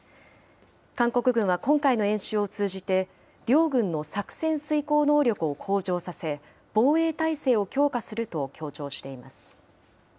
韓国軍は今回の演習を通じて、両軍の作戦遂行能力を向上させ、防衛態勢を強化すると強調しています。